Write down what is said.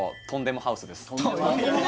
とんでもハウス？